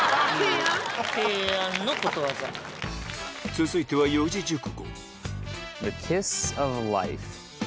続いては四字熟語